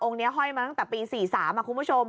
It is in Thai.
นี้ห้อยมาตั้งแต่ปี๔๓คุณผู้ชม